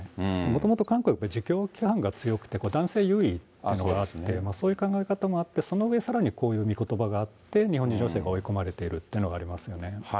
もともと韓国は儒教規範が強くて、男性優位というのがあって、そういう考え方もあって、その上さらに、こういう御言葉があって、日本人女性が追い込まれているというのがありますよね。